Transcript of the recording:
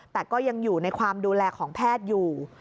แต่ก็ยังอยู่ในความดูแลของแพทย์อยู่